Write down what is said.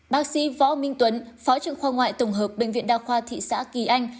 bác sĩ võ minh tuấn phó trưởng khoa ngoại tổng hợp bệnh viện đa khoa thị xã kỳ anh